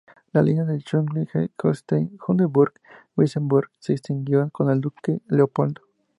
La línea de Schleswig-Holstein-Sonderburg-Wiesenburg se extinguió con el Duque Leopoldo.